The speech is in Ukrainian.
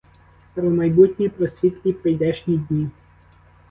Про майбутнє, про світлі прийдешні дні.